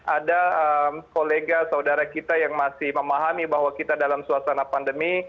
ada kolega saudara kita yang masih memahami bahwa kita dalam suasana pandemi